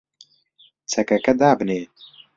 چەکەکە دابنێ!